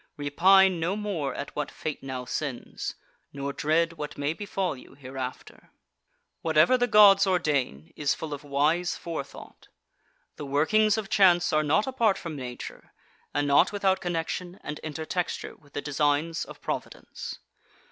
Repine no more at what fate now sends, nor dread what may befall you hereafter. 3. Whatever the Gods ordain is full of wise forethought. The workings of chance are not apart from nature, and not without connexion and intertexture with the designs of Providence.